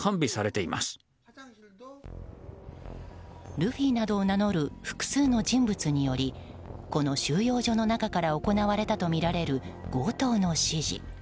ルフィなどを名乗る複数の人物によりこの収容所の中から行われたとみられる強盗の指示。